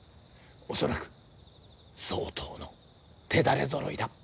恐らく相当の手だれぞろいだ。